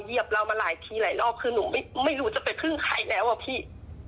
เหยียบเรามาหลายทีหลายรอบคือหนูไม่รู้จะไปพึ่งใครแล้วอะพี่